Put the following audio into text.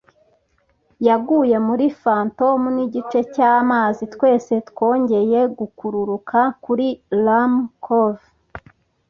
yaguye muri fathom nigice cyamazi. Twese twongeye gukururuka kuri Rum Cove,